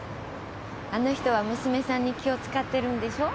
あの人は娘さんに気を遣ってるんでしょう？